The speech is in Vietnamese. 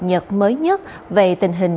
bản tin cập nhật mới nhất về tình hình